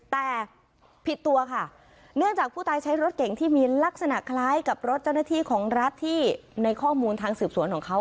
แต่ผิดตัวค่ะเนื่องจากผู้ตายใช้รถเก่งที่มีลักษณะคล้ายกับรถเจ้าหน้าที่ของรัฐที่ในข้อมูลทางสืบสวนของเขา